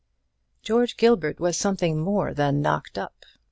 George Gilbert was something more than "knocked up."